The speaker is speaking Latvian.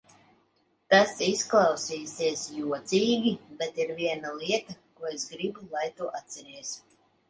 Tas izklausīsies jocīgi, bet ir viena lieta, ko es gribu, lai tu atceries.